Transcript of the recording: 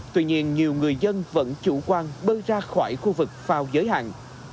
tuy nhiên nhiều người dân vẫn chủ quan bơi ra khỏi khu vực phao giới hạn